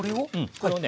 これをね